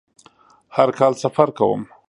هر کال سفر کوم